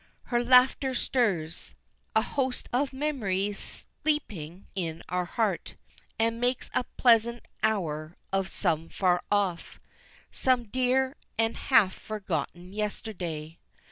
Her laughter stirs A host of memories sleeping in our heart, And makes a present hour of some far off, Some dear and half forgotten yesterday.